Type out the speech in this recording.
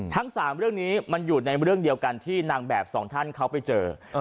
ทั้ง๓เรื่องนี้มันอยู่ในเรื่องเดียวกันที่นางแบบสองท่านเขาไปเจอ